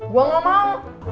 gue gak mau